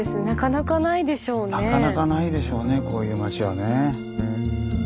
なかなかないでしょうねこういう町はね。